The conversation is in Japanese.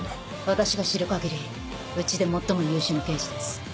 私が知る限りうちで最も優秀な刑事です。